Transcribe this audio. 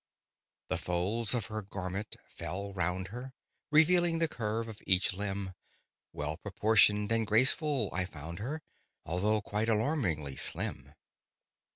The folds of her garment fell round her, Revealing the curve of each limb; Well proportioned and graceful I found her, Although quite alarmingly slim.